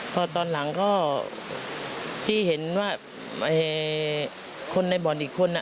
พอตอนหลังก็ที่เห็นว่าคนในบ่อนอีกคน